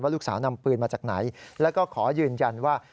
ลูกสาวนำปืนมาจากไหนแล้วก็ขอยืนยันว่า